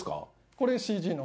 これＣＧの。